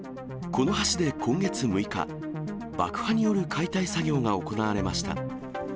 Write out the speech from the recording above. この橋で今月６日、爆破による解体作業が行われました。